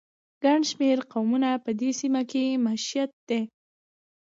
ګڼ شمېر قومونه په دې سیمه کې مېشت دي.